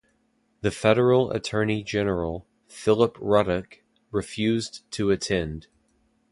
The federal attorney general, Philip Ruddock, refused to attend.